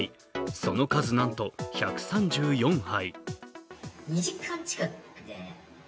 その数、なんと１３４杯。